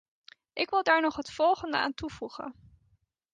Ik wil daar nog het volgende aan toevoegen.